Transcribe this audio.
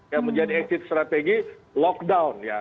ya menjadi exit strategi lockdown ya